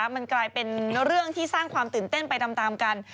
มันกลายเป็นเรื่องที่สร้างความตื่นเต้นไปตามกัน